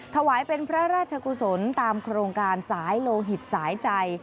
ถวายเป็นพระราชกุศลตามโครงการสายโลหิตสายใจ